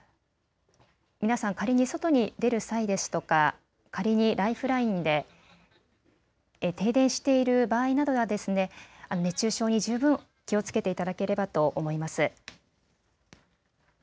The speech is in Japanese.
皆さん、仮に外に出る際ですとか仮にライフラインで停電している場合などは熱中症に十分気をつけていただければと思います。